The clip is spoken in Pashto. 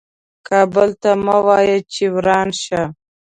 کابل ته مه وایه چې وران شه .